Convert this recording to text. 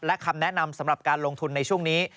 และคำแนะนำสำหรับการลงทุนในช่วงนี้